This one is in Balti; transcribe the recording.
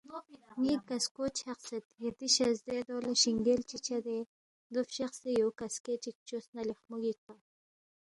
ن٘ی کسکو چھقسید، یتی شزدے دو لہ شِنگیل چی چدے دو فشقسے یو کسکے چِک فچوس نہ لیخمو گِکپا